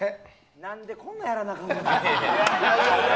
何でこんなんやらなあかんねん。